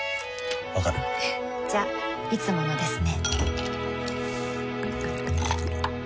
わかる？じゃいつものですね